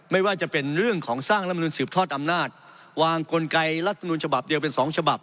ไม่ว่าจะเป็นเรื่องของสร้างรัฐมนุนสืบทอดอำนาจวางกลไกรัฐมนุนฉบับเดียวเป็นสองฉบับ